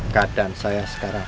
keadaan saya sekarang